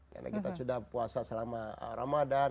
karena kita sudah puasa selama ramadan